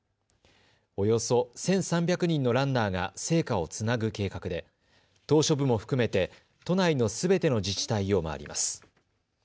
およそ１３００人のランナーが聖火をつなぐ計画で島しょ部も含めて都内のすべての自治体を回ります。